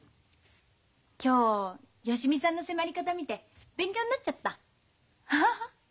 今日芳美さんの迫り方見て勉強になっちゃったアハハ。